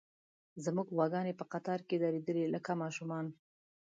زموږ غواګانې په قطار کې درېدلې، لکه ماشومان.